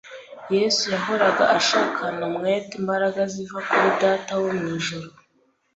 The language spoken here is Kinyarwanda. Yesu yahoraga ashakana umwete imbaraga ziva kuri Data wo mu ijuru.